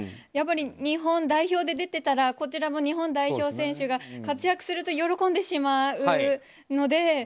やっぱり日本代表で出てたらこちらも日本代表選手が活躍すると喜んでしまうので。